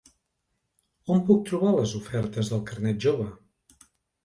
On puc trobar les ofertes del carnet jove?